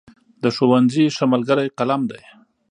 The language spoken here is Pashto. د ښوونځي ښه ملګری قلم دی.